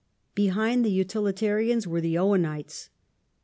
Behind the Utilitarians were the Owenites.